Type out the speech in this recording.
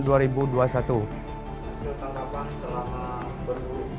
hasil tanggapan selama berburu